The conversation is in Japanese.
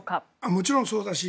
もちろんそうだし